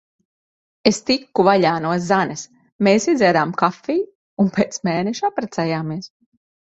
Es tiku vaļā no Zanes. Mēs iedzērām kafiju. Un pēc mēneša apprecējāmies.